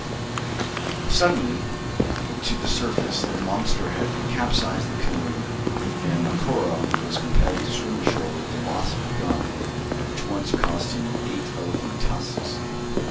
Rising suddenly to the surface, the monster had capsized the canoe, and Macora was compelled to swim ashore with the loss of a gun which once cost him eight elephant's tusks.